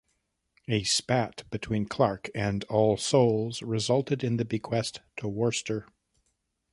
A spat between Clarke and All Souls resulted in the bequest to Worcester.